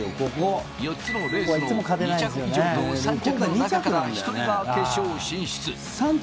４つのレースの２着以上と、３着の中から１人が決勝進出。